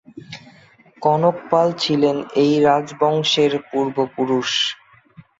কনক পাল ছিলেন এই রাজবংশের পূর্বপুরুষ।